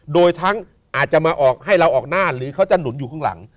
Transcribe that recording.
โดยทั้งอาจจะมาออกให้เราออกหน้าหรือเขาจะหนุนอยู่ข้างหลัง